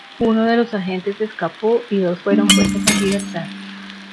Uno de los agentes escapó y dos fueron puestos en libertad.